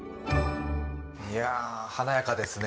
いや華やかですね